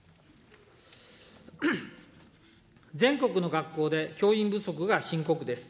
全国の学校で教員不足が深刻です。